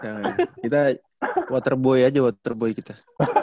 ya kita waterboy aja waterboy kita